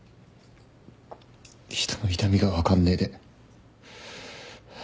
人の痛みが分かんねえで。